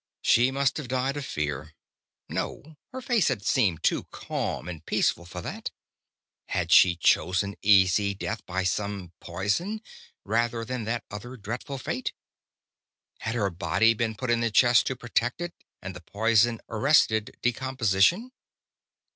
She must have died of fear. No, her face had seemed too calm and peaceful for that. Had she chosen easy death by some poison, rather than that other dreadful fate? Had her body been put in the chest to protect it, and the poison arrested decomposition?